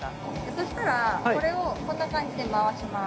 そしたらこれをこんな感じで回します。